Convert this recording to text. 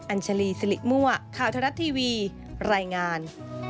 ัญชาลีสิริมั่วข่าวทรัฐทีวีรายงาน